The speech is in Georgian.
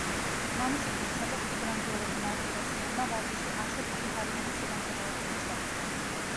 მამის სიკვდილის შემდეგ, ტიგრან გევორგ მარტიროსიანმა ვარჯიში აშოტ მხითარიანის ზედამხედველობის ქვეშ დაიწყო.